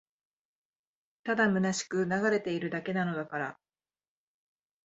ただ空しく流れているだけなのだから